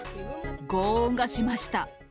ごう音がしました。